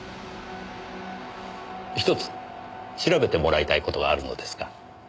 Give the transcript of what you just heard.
ひとつ調べてもらいたい事があるのですが。